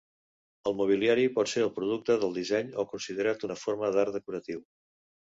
El mobiliari pot ser el producte del disseny o considerat una forma d'art decoratiu.